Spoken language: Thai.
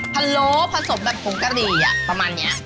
ะโล้ผสมแบบผงกะหรี่ประมาณนี้